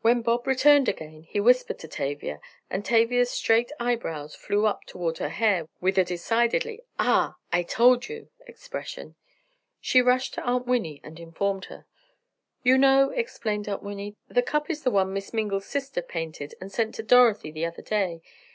When Bob returned again he whispered to Tavia, and Tavia's straight eyebrows flew up toward her hair with a decidedly "Ah! I told you!" expression. She rushed to Aunt Winnie and informed her. "You know," explained Aunt Winnie, "the cup is the one Miss Mingle's sister painted and sent to Dorothy the other day.